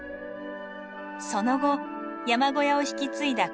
その後山小屋を引き継いだ草野さん。